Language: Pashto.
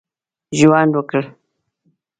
ژوند وکړ.